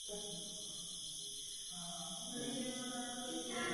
Přesné datum založení pivovaru v Plasích není znám.